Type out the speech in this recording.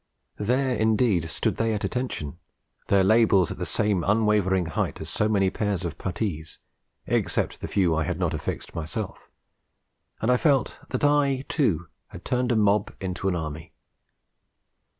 There indeed stood they at attention, their labels at the same unwavering height as so many pairs of puttees (except the few I had not affixed myself); and I felt that I, too, had turned a mob into an army.